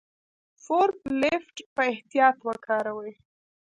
فورک لیفټ په احتیاط وکاروئ.